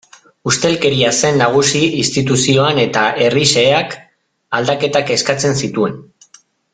Ustelkeria zen nagusi instituzioan eta herri xeheak aldaketak eskatzen zituen.